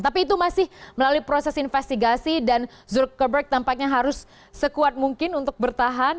tapi itu masih melalui proses investigasi dan zulkerburg tampaknya harus sekuat mungkin untuk bertahan